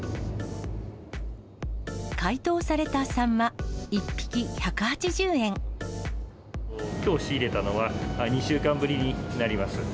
解凍されたサンマ１匹１８０きょう、仕入れたのは２週間ぶりになります。